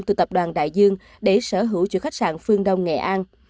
từ tập đoàn đại dương để sở hữu chữa khách sạn phương đông nghệ an